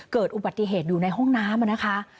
เกิดอุบัติเหตุอยู่ในห้องน้ำนะคะ